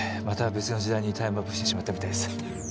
また別の時代にタイムワープしてしまったみたいです。